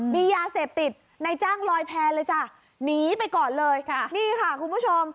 มียาเสพติดนายจ้างลอยแพ้เลยจ้ะหนีไปก่อนเลยค่ะนี่ค่ะคุณผู้ชม